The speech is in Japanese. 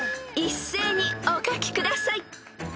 ［一斉にお書きください］